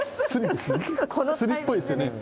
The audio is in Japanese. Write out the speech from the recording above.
スリっぽいですよね。